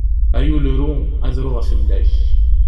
Ay ul ru, ad ruɣ fell-ak!